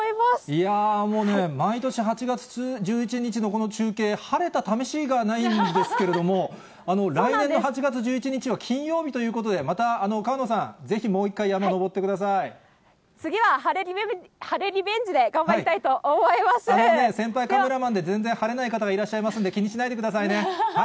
いやぁ、もうね、毎年８月１１日のこの中継、晴れたためしがないんですけれども、来年の８月１１日は金曜日ということで、また川野さん、ぜひ、次は晴れリベンジで頑張りた先輩カメラマンで、全然晴れない方がいらっしゃいますので、気にしないでくださいね。